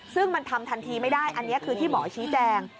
ซึ่งมันทำทันทีไม่ได้อันนี้คือที่หมอชี้แจง